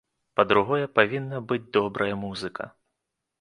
Па-другое, павінна быць добрая музыка.